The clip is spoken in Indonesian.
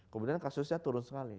kemudian kasusnya turun sekali